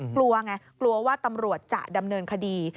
กลัวไงกลัวว่าตำรวจจะดำเนินคดี